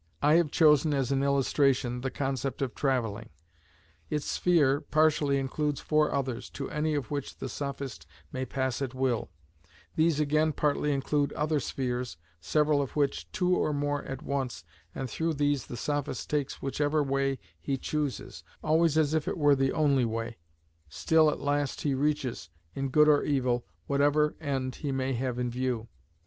I have chosen as an illustration the concept of travelling. Its sphere partially includes four others, to any of which the sophist may pass at will; these again partly include other spheres, several of them two or more at once, and through these the sophist takes whichever way he chooses, always as if it were the only way, till at last he reaches, in good or evil, whatever end he may have in view.